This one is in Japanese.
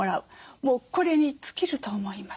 もうこれに尽きると思います。